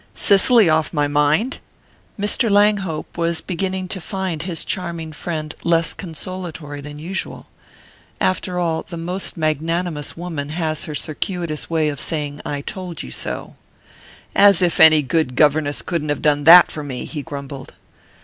"Cicely off my mind?" Mr. Langhope was beginning to find his charming friend less consolatory than usual. After all, the most magnanimous woman has her circuitous way of saying I told you so. "As if any good governess couldn't have done that for me!" he grumbled.